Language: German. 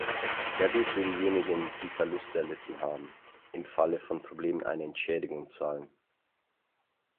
Wer wird denjenigen, die Verluste erlitten haben, im Falle von Problemen eine Entschädigung zahlen?